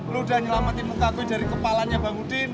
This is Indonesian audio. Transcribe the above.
lo udah nyelamatin muka gue dari kepalanya bang udin